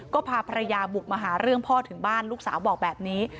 ก็พาภรรยาบุกมาหาเรื่องพ่อถึงบ้านลูกสาวบอกแบบนี้